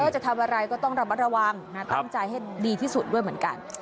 จะทำอะไรก็ต้องระมัดระวังตั้งใจให้ดีที่สุดด้วยเหมือนกัน